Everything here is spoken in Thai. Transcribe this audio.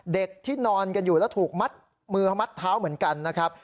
เด็กที่นอนกันอยู่แล้วถูกมัดมือมัดเท้าเหมือนกันนะครับ